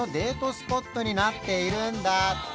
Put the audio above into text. スポットになっているんだって